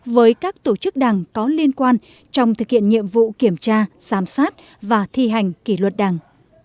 với các tổ chức đảng có liên quan trong thực hiện nhiệm vụ kiểm tra giám sát và thi hành kỷ luật đảng